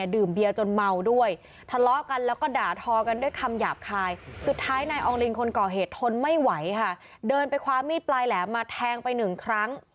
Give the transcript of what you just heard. เกิดทนไม่ไหวค่ะเดินไปคว้ามีดปลายแหลมมาแทงไปหนึ่งครั้ง